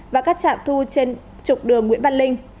và các trạm thu trên trục đường nguyễn văn linh